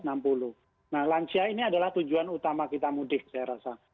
nah lansia ini adalah tujuan utama kita mudik saya rasa